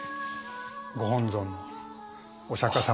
ご本尊のお釈迦様。